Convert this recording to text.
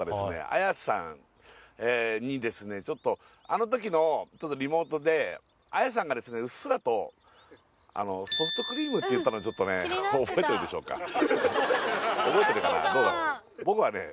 アヤさんにですねちょっとあの時のリモートでアヤさんがですねうっすらとソフトクリームって言ったのちょっとね覚えてるかなどうだろう？